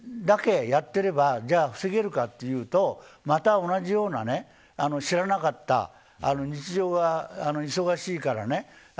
ただ、そのことが個別にだけやっていればじゃあ防げればというとまた同じような、知らなかった日常が忙しいから。